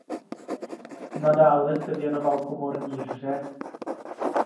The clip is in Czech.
Nadále se věnoval komorní hře.